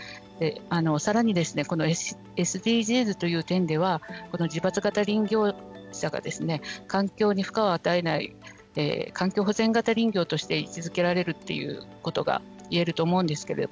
さらにこのＳＤＧｓという点では自伐型林業者が環境に負荷を与えない環境保全型林業として位置づけられるということが言えると思うんですけれども。